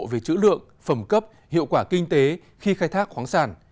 về chữ lượng phẩm cấp hiệu quả kinh tế khi khai thác khoáng sản